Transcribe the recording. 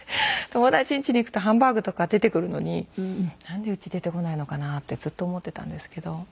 友達ん家に行くとハンバーグとか出てくるのになんでうち出てこないのかな？ってずっと思っていたんですけど。